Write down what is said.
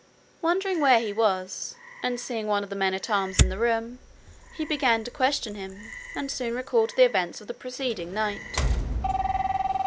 Wondering where he was, and seeing one of the men at arms in the room, he began to question him and soon recalled the events of the preceding night.